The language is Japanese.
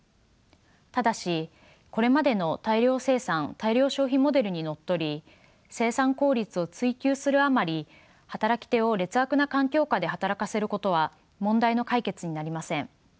ただしこれまでの大量生産・大量消費モデルにのっとり生産効率を追求するあまり働き手を劣悪な環境下で働かせることは問題の解決になりません。